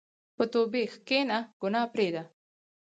په توبې کښېنه، ګناه پرېږده.